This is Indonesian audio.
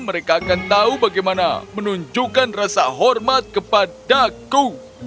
mereka akan tahu bagaimana menunjukkan rasa hormat kepadaku